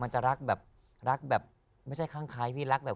มันจะรักแบบไม่ใช่คล้างคายพี่รักแบบ